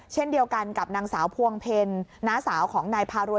เช่นเดียวกันกับนางสาวพวงเพลน้าสาวของนายพารวย